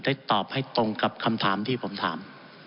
ตอบให้ตรงกับคำถามที่ผมถาม